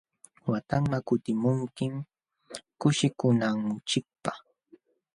Watanman kutimunkim kushikunanchikpaq.